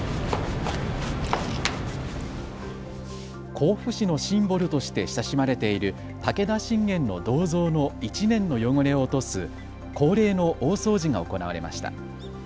甲府市のシンボルとして親しまれている武田信玄の銅像の１年の汚れを落とす恒例の大掃除が行われました。